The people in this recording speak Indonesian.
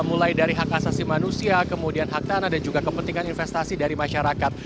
mulai dari hak asasi manusia kemudian hak tanah dan juga kepentingan investasi dari masyarakat